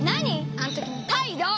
あんときのたいど！